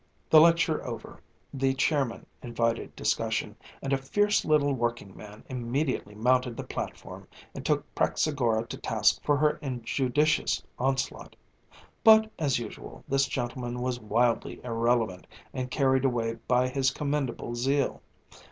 The lecture over, the chairman invited discussion, and a fierce little working man immediately mounted the platform and took Praxagora to task for her injudicious onslaught. But, as usual, this gentleman was wildly irrelevant and carried away by his commendable zeal.